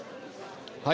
はい。